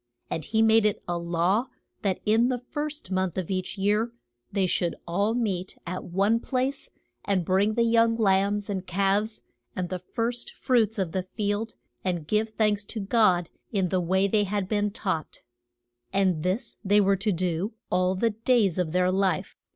And he made it a law that in the first month of each year they should all meet at one place, and bring the young lambs and calves and the first fruits of the field and give thanks to God in the way they had been taught. And this they were to do all the days of their life.